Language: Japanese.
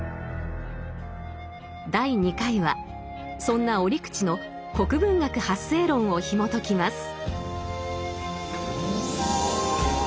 第２回はそんな折口の「国文学発生論」をひもときます。